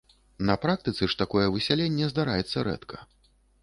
На практыцы ж такое высяленне здараецца рэдка.